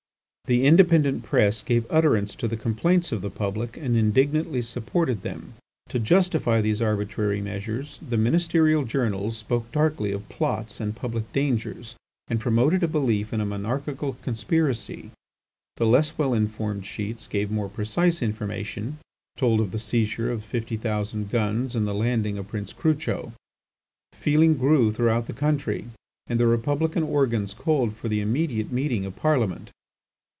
The independent press gave utterance to the complaints of the public and indignantly supported them. To justify these arbitrary measures, the ministerial journals spoke darkly of plots and public dangers, and promoted a belief in a monarchical conspiracy. The less well informed sheets gave more precise information, told of the seizure of fifty thousand guns, and the landing of Prince Crucho. Feeling grew throughout the country, and the republican organs called for the immediate meeting of Parliament.